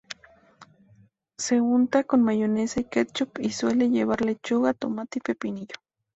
Se unta con mayonesa y ketchup, y suele llevar lechuga, tomate y pepinillo.